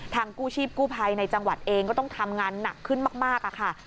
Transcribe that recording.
กู้ชีพกู้ภัยในจังหวัดเองก็ต้องทำงานหนักขึ้นมากค่ะ